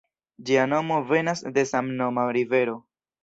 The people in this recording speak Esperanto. Ĝia nomo venas de samnoma rivero.